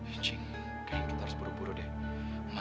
icing kayak kita harus berubah ubah deh ya